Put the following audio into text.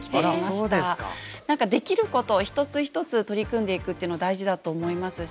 何かできることを一つ一つ取り組んでいくっていうのは大事だと思いますし。